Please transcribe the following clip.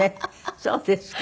そうですか。